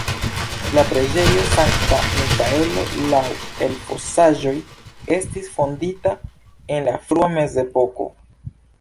La preĝejo Sankta Mikaelo laŭ elfosaĵoj estis fondita en la frua mezepoko.